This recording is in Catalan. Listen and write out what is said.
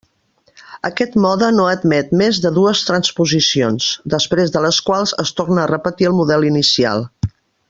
Aquest mode no admet més de dues transposicions, després de les quals es torna a repetir el model inicial.